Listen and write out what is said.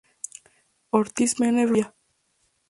Ortiz Mena y Francisco Villa.